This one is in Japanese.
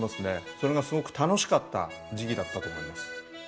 それがすごく楽しかった時期だったと思います。